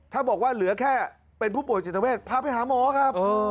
ถ้าบอกว่าเหลือแค่เป็นผู้ป่วยจิตเวทพาไปหาหมอครับ